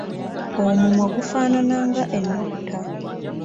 Omumwa gufaanana nga ennukuta.